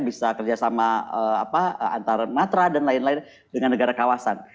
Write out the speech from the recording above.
bisa kerjasama antara matra dan lain lain dengan negara kawasan